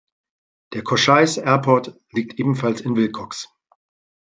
Der "Cochise Airport" liegt ebenfalls in Willcox.